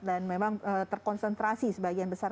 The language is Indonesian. memang terkonsentrasi sebagian besar